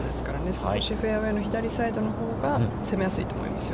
少しフェアウェイの左サイドのほうが攻めやすいと思いますよ。